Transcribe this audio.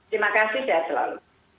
terima kasih sehat selalu